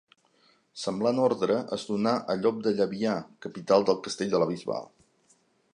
Semblant ordre es donà a Llop de Llabià, capità del castell de la Bisbal.